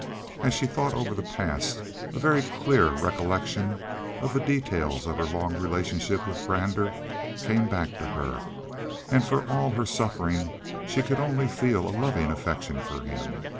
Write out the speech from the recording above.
As she thought over the past, a very clear recollection of the details of her long relationship with Brander came back to her, and for all her suffering she could only feel a loving affection for him.